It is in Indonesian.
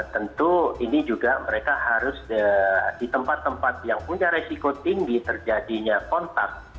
tentu ini juga mereka harus di tempat tempat yang punya resiko tinggi terjadinya kontak